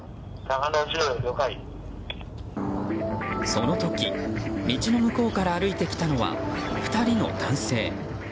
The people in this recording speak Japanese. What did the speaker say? その時、道の向こうから歩いてきたのは２人の男性。